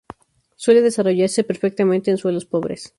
Suele desarrollarse perfectamente en suelos pobres.